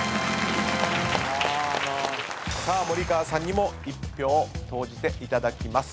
さあ森川さんにも一票投じていただきます。